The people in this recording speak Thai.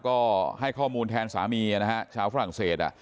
ก็ให้ข้อมูลแทนสามีนะฮะชาวฝรั่งเศส